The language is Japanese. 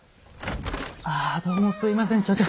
ああどうもすいません所長。